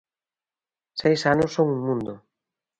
Seis anos son un mundo.